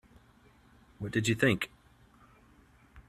What did you think?